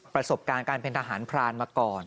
ประสบการณ์การเป็นทหารพรานมาก่อน